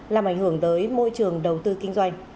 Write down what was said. làm ảnh hưởng tới môi trường đầu tư kinh doanh